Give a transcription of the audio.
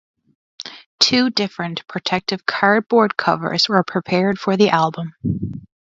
Two different protective cardboard covers were prepared for the album.